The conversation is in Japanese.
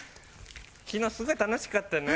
昨日すごい楽しかったね。